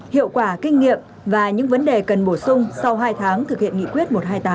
hiệu quả kinh nghiệm và những vấn đề cần bổ sung sau hai tháng thực hiện nghị quyết một trăm hai mươi tám